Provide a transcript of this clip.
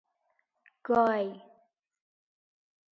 گای